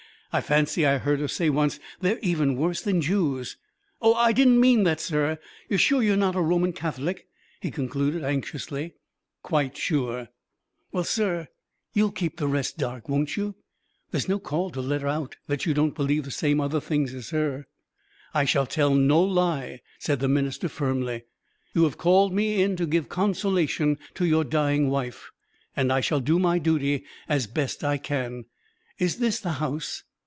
I fancy I heard her say once they're even worse than Jews. Oh, I don't mean that, sir. You're sure you're not a Roman Catholic?" he concluded anxiously. "Quite sure." "Well, sir, you'll keep the rest dark, won't you? There's no call to let out you don't believe the same other things as her." "I shall tell no lie," said the minister firmly. "You have called me in to give consolation to your dying wife, and I shall do my duty as best I can. Is this the house?"